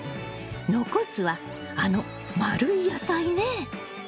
残すはあの丸い野菜ね。